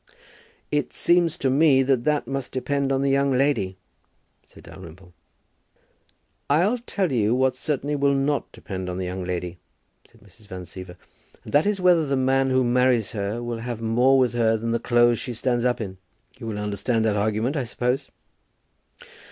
"It seems to me that that must depend on the young lady," said Dalrymple. "I'll tell you what certainly will not depend on the young lady," said Mrs. Van Siever, "and that is whether the man who marries her will have more with her than the clothes she stands up in. You will understand that argument, I suppose?"